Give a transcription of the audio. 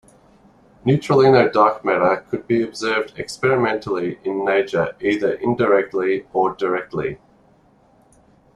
Neutralino dark matter could be observed experimentally in nature either indirectly or directly.